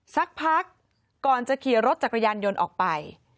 สักพักก่อนจะขี่รถจักรยานยนต์ออกไป